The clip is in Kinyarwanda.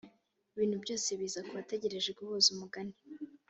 ibintu byose biza kubategereje guhuza umugani